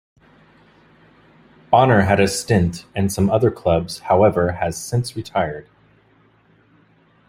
Bonner had a stint and some other clubs however has since retired.